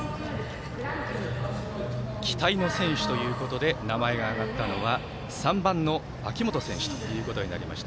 期待の選手ということで名前が挙がったのは、３番の秋元選手ということになりました。